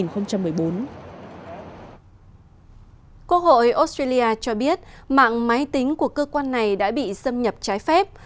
quốc hội australia cho biết mạng máy tính của cơ quan này đã bị xâm nhập trái phép